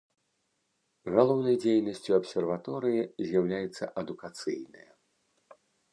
Галоўнай дзейнасцю абсерваторыі з'яўляецца адукацыйная.